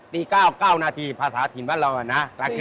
ตี๙๙นาทีภาษาถิ่นว่าเรานะ